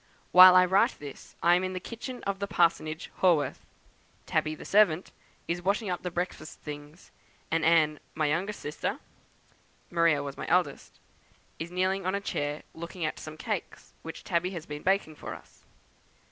While I write this I am in the kitchen of the Parsonage, Haworth; Tabby, the servant, is washing up the breakfast things, and Anne, my youngest sister (Maria was my eldest), is kneeling on a chair, looking at some cakes which Tabby has been baking for us.